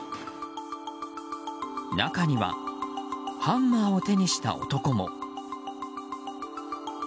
中には、ハンマーを手にした男も。